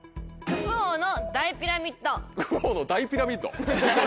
クフ王の大ピラミッド。